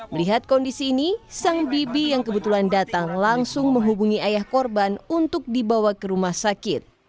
melihat kondisi ini sang bibi yang kebetulan datang langsung menghubungi ayah korban untuk dibawa ke rumah sakit